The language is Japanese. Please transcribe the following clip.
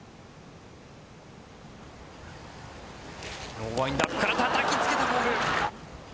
ノーワインドアップからたたきつけたボール。